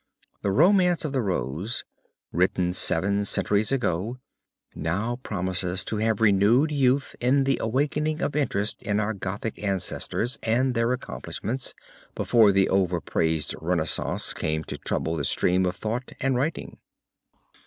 The Romance of the Rose, written seven centuries ago, now promises to have renewed youth in the awakening of interest in our Gothic ancestors and their accomplishments, before the over praised renaissance came to trouble the stream of thought and writing.